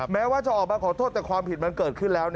แม้ว่าจะออกมาขอโทษแต่ความผิดมันเกิดขึ้นแล้ว